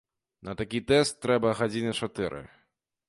На такі тэст трэба гадзіны чатыры.